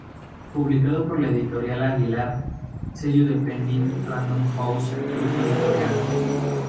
Publicado por la editorial Aguilar, sello de Penguin Random House Grupo Editorial.